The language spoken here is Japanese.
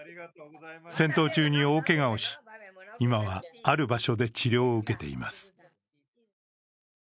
戦闘中に大けがをし、今はある場所で治療を受けています。